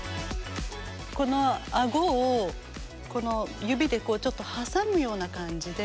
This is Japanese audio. このあごを指でちょっと挟むような感じで。